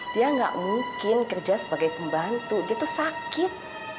dia nggak mungkin kerja sebagai pembantu dia tuh sakit